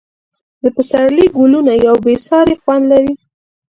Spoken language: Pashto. د پسرلي ګلونه یو بې ساری خوند لري.